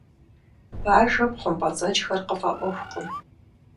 Бажэм хъумпӀэцӀэджхэр къыфӀэӀуэхукъым.